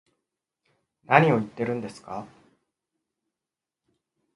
何を言ってるんですか